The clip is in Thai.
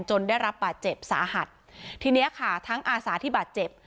ได้รับบาดเจ็บสาหัสทีเนี้ยค่ะทั้งอาสาที่บาดเจ็บ